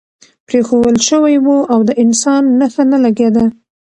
پرېښوول شوی و او د انسان نښه نه لګېده.